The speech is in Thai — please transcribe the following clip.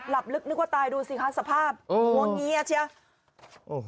หลับลึกนึกว่าตายดูสิค่ะสภาพโอ้โหวังเงียเฉี่ยโอ้โหนี่